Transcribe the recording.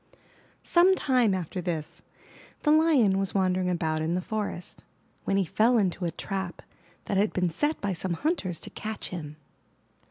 Some time after this, the Lion was wandering about in the forest, when he fell into a trap that had been set by some hunters to catch him.